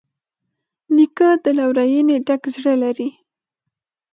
نیکه د لورینې ډک زړه لري.